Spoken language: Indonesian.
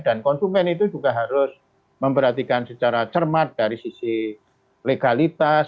dan konsumen itu juga harus memberhatikan secara cermat dari sisi legalitas